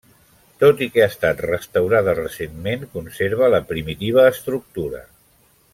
Tot i que ha estat restaurada recentment, conserva la primitiva estructura.